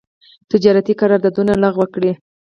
تجارتي قرارداونه لغو کړي.